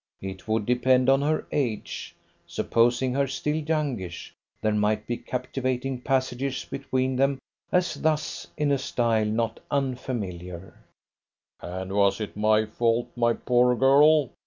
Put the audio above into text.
It would depend on her age. Supposing her still youngish, there might be captivating passages between them, as thus, in a style not unfamiliar: "And was it my fault, my poor girl?